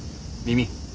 耳。